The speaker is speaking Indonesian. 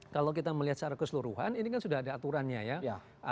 kalau kita melihat secara keseluruhan ini kan sudah ada aturannya ya